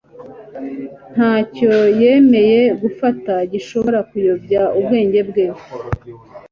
Ntacyo yemeye gufata gishobora kuyobya ubwenge bwe.